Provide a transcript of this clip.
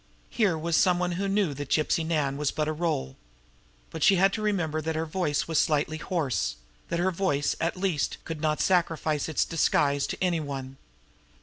Here was some one who knew that Gypsy Nan was but a role. But she had to remember that her voice was slightly hoarse; that her voice, at least, could not sacrifice its disguise to any one.